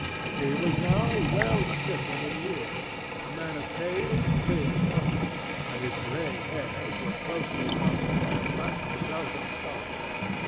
He was now well stricken in years, a man of pale, thin countenance, and his gray hairs were closely covered by a black velvet skull cap.